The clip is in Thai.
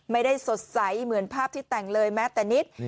ไม่ได้สดใสเหมือนภาพที่แต่งเลยแม้แต่นิด